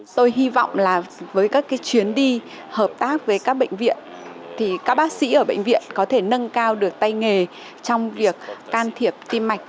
tôi hy vọng là với các chuyến đi hợp tác với các bệnh viện thì các bác sĩ ở bệnh viện có thể nâng cao được tay nghề trong việc can thiệp tim mạch